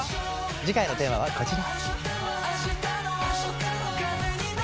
次回のテーマはこちら。